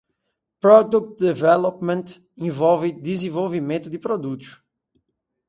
Product Development envolve desenvolvimento de produtos.